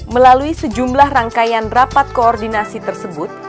melalui sejumlah rangkaian rapat koordinasi tersebut